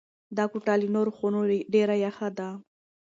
دا کوټه له نورو خونو ډېره یخه ده.